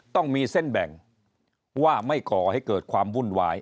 ต้องมีเส้นแบ่งว่าไม่ก่อให้เกิดความวุ่นวาย